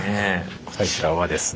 こちらはですね